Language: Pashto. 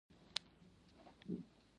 مهرباني وکړئ بیاکتنه وکړئ